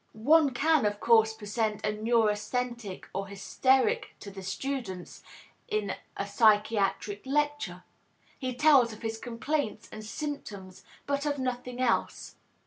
One can, of course, present a neurasthenic or hysteric to the students in a psychiatric lecture. He tells of his complaints and symptoms, but of nothing else.